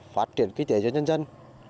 phát triển kinh tế cho nhân dân